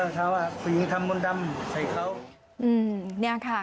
เออเขาผู้หญิงทำมนตร์ดำใส่เขา